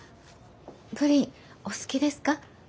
プリンお好きですか？